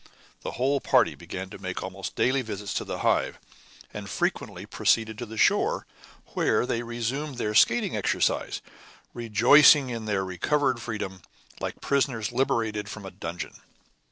The whole party began to make almost daily visits to the Hive, and frequently proceeded to the shore, where they resumed their skating exercise, rejoicing in their recovered freedom like prisoners liberated from a dungeon.